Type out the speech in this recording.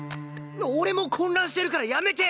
俺も混乱してるからやめて！